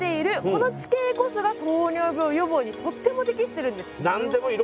この地形こそが糖尿病予防にとっても適してるんです。